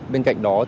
bên cạnh đó